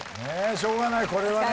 しょうがないこれはね。